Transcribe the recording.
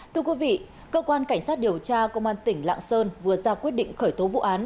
thưa quý vị cơ quan cảnh sát điều tra công an tỉnh lạng sơn vừa ra quyết định khởi tố vụ án